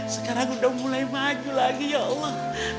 sekarang udah mulai maju lagi ya allah